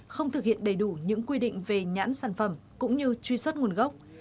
không thực hiện đầy đủ những quy định về nhãn sản phẩm cũng như truy xuất nguồn gốc